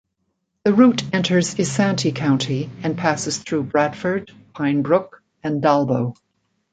The route enters Isanti County and passes through Bradford, Pine Brook, and Dalbo.